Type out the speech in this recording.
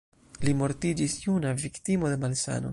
Li mortiĝis juna, viktimo de malsano.